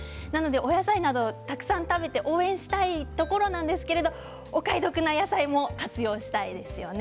お野菜など、たくさん食べて応援したいところなんですがお買い得な野菜も活用したいですよね。